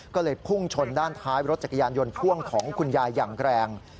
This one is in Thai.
ก็เลยพุ่งชนด้านท้ายรถจักรยานยนต์พ่วงของคุณยายอย่างแรง